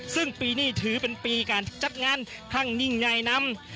ซึ่งปีนี้ถือเป็นปีการจัดงานข้างนิ่งใยนำ